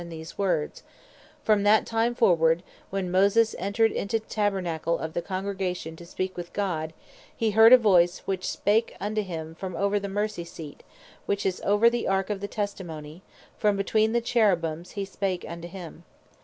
in these words, "From that time forward, when Moses entred into the Tabernacle of the Congregation to speak with God, he heard a Voice which spake unto him from over the Mercy Seate, which is over the Arke of the Testimony, from between the Cherubins he spake unto him."